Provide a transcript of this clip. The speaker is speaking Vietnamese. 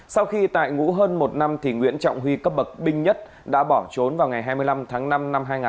sau khi tại ngũ hơn một năm nguyễn trọng huy cấp bậc binh nhất đã bỏ trốn vào ngày hai mươi năm tháng năm năm hai nghìn hai mươi ba